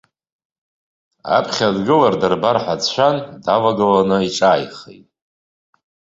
Аԥхьа дгылар дырбар ҳәа дшәан, давагыланы иҿааихеит.